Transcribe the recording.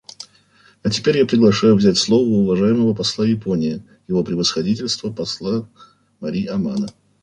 А теперь я приглашаю взять слово уважаемого посла Японии — Его Превосходительство посла Мари Амано.